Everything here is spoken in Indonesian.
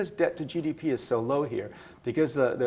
karena harga gdp sangat rendah di sini